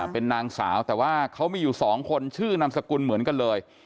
เป็นนางสาวแต่ว่าเขามีอยู่๒คนชื่อนามสกุลเหมือนกันเลย